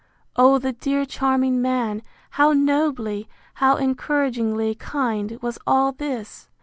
—O the dear charming man! how nobly, how encouragingly kind, was all this!